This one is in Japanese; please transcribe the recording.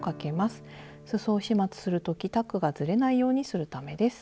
すそを始末する時タックがずれないようにするためです。